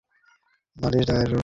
নালিশ দায়ের হইল, সমনও বাহির হইল।